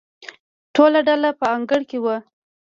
ټوله ډله په انګړ کې وه.